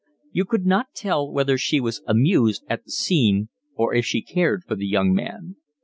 You could not tell whether she was amused at the scene or if she cared for the young man.